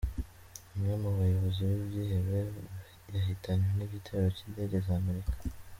Umwe mu bayobozi b’ibyihebe yahitanywe n’igitero cy’indege za Amerika